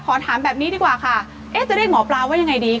ถามแบบนี้ดีกว่าค่ะเอ๊ะจะเรียกหมอปลาว่ายังไงดี